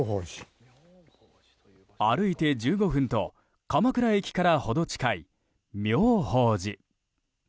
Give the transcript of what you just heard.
歩いて１５分と鎌倉駅から程近い妙法寺。